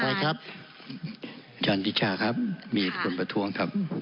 ตรฐานครับจันทิชชะครับมีคนประทวงครับ